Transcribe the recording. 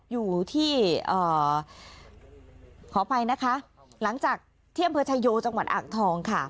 อยู่ที่ขออภัยนะคะหลังจากที่อำเภอชายโยจังหวัดอ่างทองค่ะ